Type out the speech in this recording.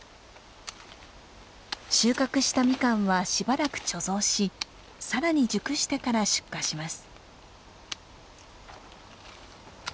収穫したミカンはしばらく貯蔵しさらに熟してから出荷します。